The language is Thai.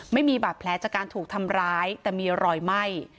ไม่มีบาดแผลจากการถูกทำร้ายแต่มีรอยไหม้